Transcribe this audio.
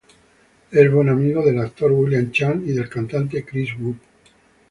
Es buen amigo del actor William Chan y del cantante Kris Wu.